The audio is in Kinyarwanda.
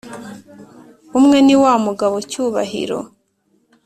umwe niwa mugabo cyubahiro